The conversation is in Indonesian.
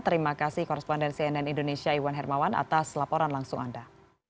terima kasih koresponden cnn indonesia iwan hermawan atas laporan langsung anda